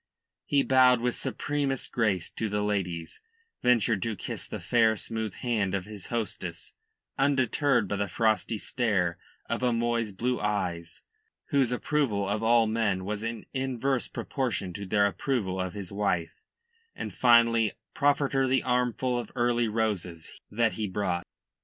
He bowed with supremest grace to the ladies, ventured to kiss the fair, smooth hand of his hostess, undeterred by the frosty stare of O'Moy's blue eyes whose approval of all men was in inverse proportion to their approval of his wife and finally proffered her the armful of early roses that he brought.